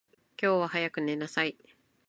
今日は早く寝なさい。